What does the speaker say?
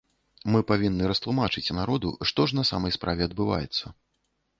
Мы павінны растлумачыць народу, што ж на самай справе адбываецца.